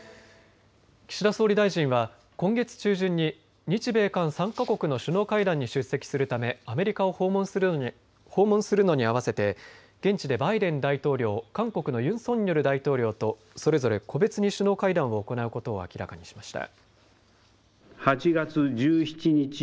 岸田総理大臣は今月中旬に日米韓３か国の首脳会談に出席するためアメリカを訪問するのに合わせて現地でバイデン大統領、韓国のユン・ソンニョル大統領とそれぞれ個別に首脳会談を行うことを明らかにしました。